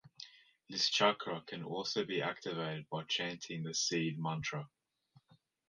This chakra can also be activated by chanting the Seed-Mantra.